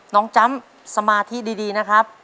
จำสมาธิดีนะครับ